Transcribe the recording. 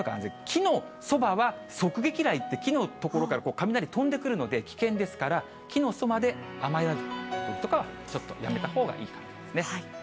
木のそばはそくげきらいって、木の所から雷飛んでくるので、危険ですから、木のそばで雨宿りとかはちょっとやめたほうがいいかもですね。